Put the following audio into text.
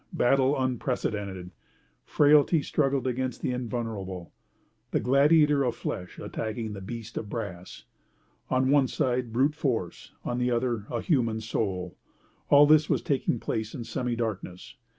Battle unprecedented. Frailty struggling against the invulnerable. The gladiator of flesh attacking the beast of brass. On one side, brute force; on the other, a human soul. All this was taking place in semi darkness.